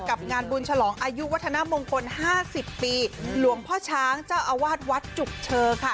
กับงานบุญฉลองอายุวัฒนามงคลห้าสิบปีหลวงพ่อช้างเจ้าอาวาสวัดจุกเชอค่ะ